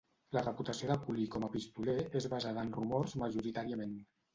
La reputació de Cooley com a pistoler és basada en rumors majoritàriament.